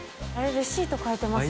レシート替えてます？